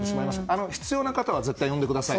必要な方は絶対に呼んでください。